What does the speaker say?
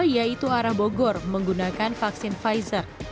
yaitu arah bogor menggunakan vaksin pfizer